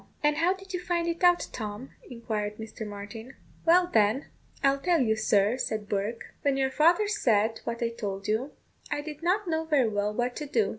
"And how did you find it out, Tom?" inquired Mr. Martin. "Why, then, I'll tell you, sir," said Bourke. "When your father said what I told you, I did not know very well what to do.